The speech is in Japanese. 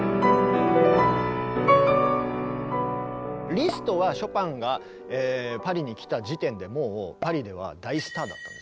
リストはショパンがパリに来た時点でもうパリでは大スターだったんですね。